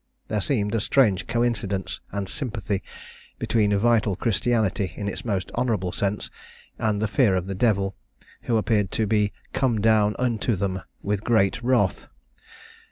There seemed a strange coincidence and sympathy between vital christianity in its most honourable sense, and the fear of the devil, who appeared to be "come down unto them, with great wrath."